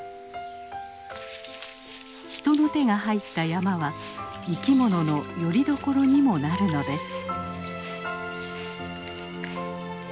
人の手が入った山は生き物のよりどころにもなるのです。